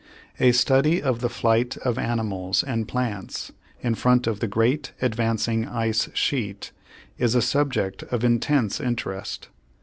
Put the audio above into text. A study of the flight of animals and plants in front of the great advancing ice sheet is a subject of intense interest.